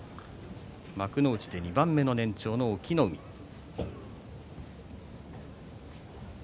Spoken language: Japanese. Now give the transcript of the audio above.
幕内で２番目の年長の隠岐の海です。